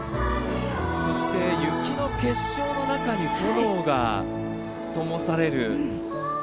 そして、雪の結晶の中に炎がともされる。